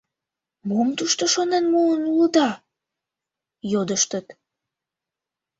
«Мом тушто шонен муын улыда?» — йодыштыт.